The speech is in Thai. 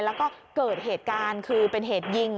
แล้วก็เกิดเหตุการณ์คือเป็นเหตุยิง